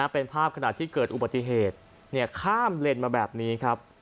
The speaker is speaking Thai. เป็นภาพขณะที่เกิดอุบัติเหตุข้ามเลนมาแบบนี้ครับ